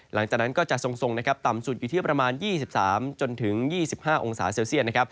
หลังจากนั้นก็จะทรงนะครับต่ำสุดอยู่ที่ประมาณ๒๓จนถึง๒๕องศาเซลเซียต